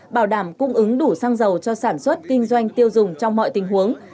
bảo đảm cung ứng đủ xăng dầu cho sản xuất kinh doanh tiêu dùng trong mọi tình huống